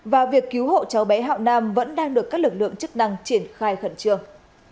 và việc cứu hộ cháu bé hạo nam vẫn đang được các lực lượng chức năng triển khai khẩn trương